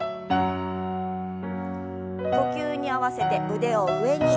呼吸に合わせて腕を上に。